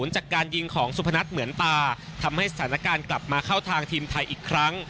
จากการยิงของสุพนัทเหมือนตาทำให้สถานการณ์กลับมาเข้าทางทีมไทยอีกครั้ง